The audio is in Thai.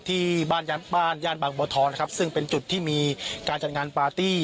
ที่บ้านบ้านย่านบางบัวทองนะครับซึ่งเป็นจุดที่มีการจัดงานปาร์ตี้